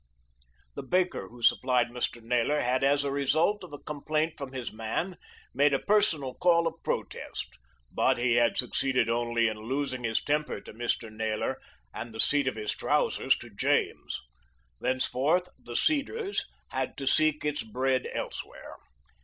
The baker who supplied Mr. Naylor had, as a result of a complaint from his man, made a personal call of protest; but he had succeeded only in losing his temper to Mr. Naylor and the seat of his trousers to James. Thenceforth "The Cedars" had to seek its bread elsewhere.